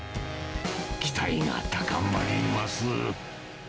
期待が高まります。